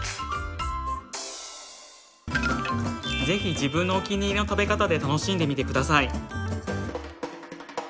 是非自分のお気に入りの食べ方で楽しんでみて下さい！